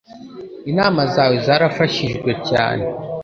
Inama zawe zarafashijwe cyane.